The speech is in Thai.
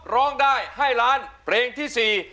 ร้องได้ให้ล้านเพลงที่๔